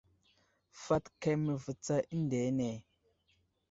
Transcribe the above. Fat keme ve tsa eŋdene ?